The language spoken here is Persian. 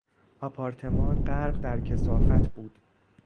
آپارتمان غرق در کثافت بود.